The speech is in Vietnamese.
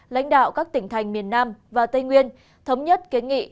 lãnh đạo các tỉnh thành miền nam và tây nguyên thống nhất kiến nghị